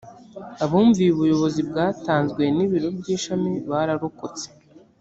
abumviye ubuyobozi bwatanzwe n ibiro by ishami bararokotse